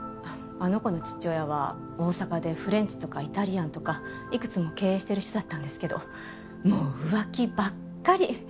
あの子の父親は大阪でフレンチとかイタリアンとかいくつも経営してる人だったんですけどもう浮気ばっかり。